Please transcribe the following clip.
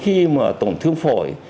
khi mà tổn thương phổi